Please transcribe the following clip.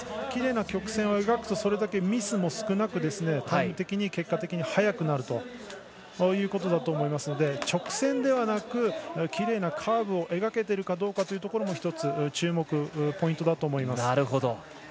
きれいな曲線を描くとそれだけミスも少なくタイム的に結果的に早くなるということだと思いますので直線ではなく、きれいなカーブを描けているかどうかも１つ、注目ポイントだと思います。